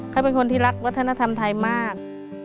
เขาเป็นคนที่รักวัฒนธรรมไทยมาก